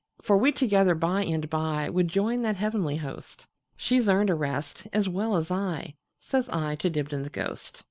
For we together by and byWould join that heavenly host; She 's earned a rest as well as I,"Says I to Dibdin's ghost.